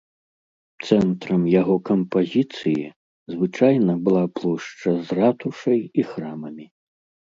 Цэнтрам яго кампазіцыі звычайна была плошча з ратушай і храмамі.